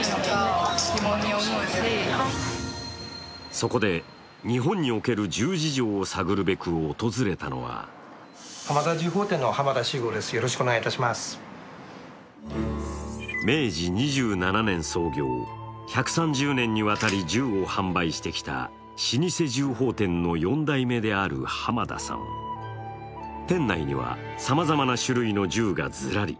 そこで日本における銃事情を探るべく訪れたのは明治２７年創業、１３０年にわたり銃を販売してきた老舗銃砲店の４代目である浜田さん店内にはさまざまな種類の銃がズラリ。